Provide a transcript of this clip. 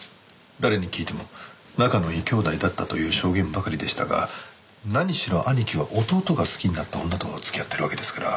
誰に聞いても仲のいい兄弟だったという証言ばかりでしたが何しろ兄貴は弟が好きになった女と付き合ってるわけですから。